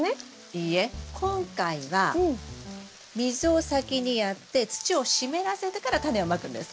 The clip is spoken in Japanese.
いいえ今回は水を先にやって土を湿らせてからタネをまくんです。